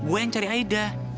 gue yang cari aida